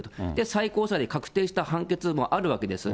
最高裁で確定した判決もあるわけです。